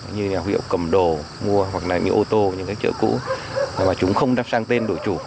như là huyệu cầm đồ mua hoặc là những ô tô những chợ cũ mà chúng không đắp sang tên đổi chủ